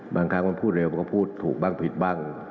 บางครั้งมันพูดเร็วมันก็พูดถูกบ้างผิดบ้าง